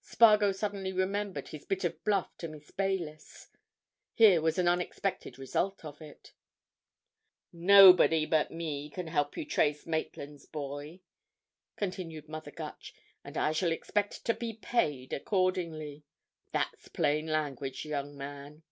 Spargo suddenly remembered his bit of bluff to Miss Baylis. Here was an unexpected result of it. "Nobody but me can help you to trace Maitland's boy," continued Mother Gutch, "and I shall expect to be paid accordingly. That's plain language, young man."